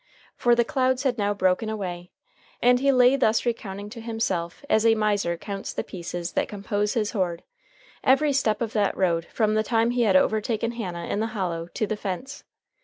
For the clouds had now broken away. And he lay thus recounting to himself, as a miser counts the pieces that compose his hoard, every step of that road from the time he had overtaken Hannah in the hollow to the fence.